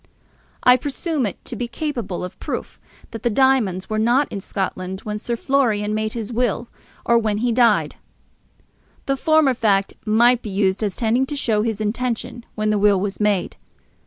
I presume it to be capable of proof that the diamonds were not in Scotland when Sir Florian made his will or when he died. The former fact might be used as tending to show his intention when the will was made.